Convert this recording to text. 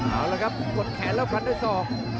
เอาละครับกดแขนแล้วฟันด้วยศอก